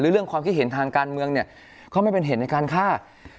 หรือเรื่องความคิดเห็นทางการเมืองเขาไม่เป็นเหตุในการฆ่า